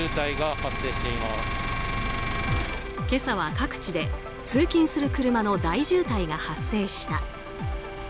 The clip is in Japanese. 今朝は各地で通勤する車の大渋滞が発生した。